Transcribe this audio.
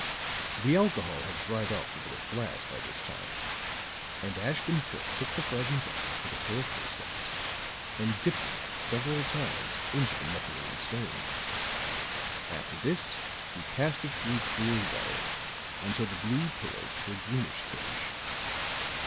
The alcohol had dried off the bit of glass by this time; and Ashton Kirk took the fragment up with a pair of forceps and dipped it several times into the methylene stain; after this he passed it through clear water until the blue paled to a greenish tinge.